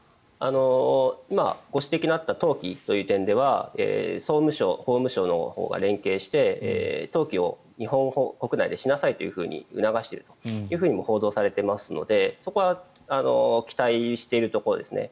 今、ご指摘のあった登記という点では総務省、法務省のほうが連携して登記を日本国内でしなさいと促しているとも報道されていますのでそこは期待しているところですね。